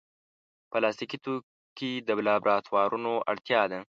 پلاستيکي توکي د لابراتوارونو اړتیا ده.